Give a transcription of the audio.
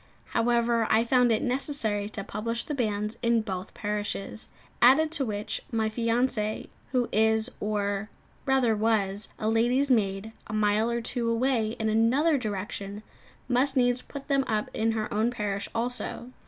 However, I found it necessary to publish the banns in both parishes; added to which my fiancée, who is, or rather was, a lady's maid, a mile or two away in another direction, must needs put them up in her own parish also.